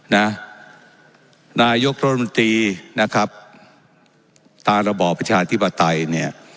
นายกรัฐมนตรีนะครับตามระบอบประชาธิปไตยเนี่ย